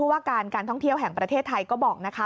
ว่าการการท่องเที่ยวแห่งประเทศไทยก็บอกนะคะ